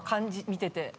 見てて。